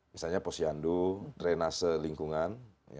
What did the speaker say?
misalnya posyandu drenase lingkungan